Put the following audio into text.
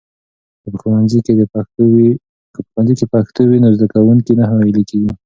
که په ښوونځي کې پښتو وي، نو زده کوونکي نه ناهيلي کېږي.